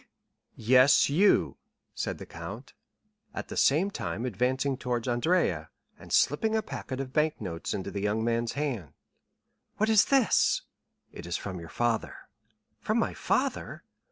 "Yes, you," said the count, at the same time advancing towards Andrea, and slipping a packet of bank notes into the young man's hand. "What is this?" "It is from your father." "From my father?"